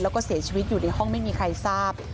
แล้วก็เสียชีวิตอยู่ในห้องไม่มีใครทราบ